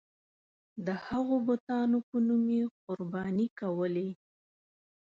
د هغو بتانو په نوم یې قرباني کولې.